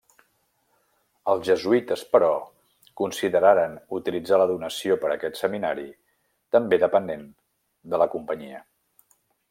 Els jesuïtes però, consideraren utilitzar la donació per aquest Seminari, també depenent de la Companyia.